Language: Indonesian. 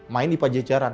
main di pajajaran